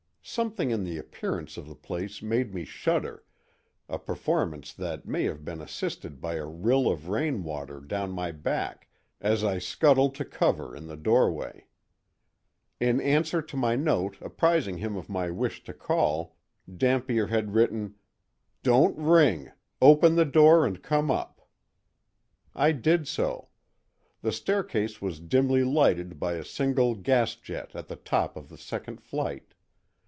Something in the appearance of the place made me shudder, a performance that may have been assisted by a rill of rain water down my back as I scuttled to cover in the doorway. In answer to my note apprising him of my wish to call, Dampier had written, "Don't ring—open the door and come up." I did so. The staircase was dimly lighted by a single gas jet at the top of the second flight.